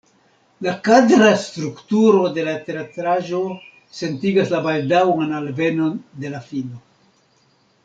La kadra strukturo de la teatraĵo sentigas la baldaŭan alvenon de la fino.